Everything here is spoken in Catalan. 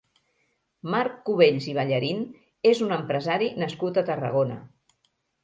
Marc Cubells i Ballarín és un empresari nascut a Tarragona.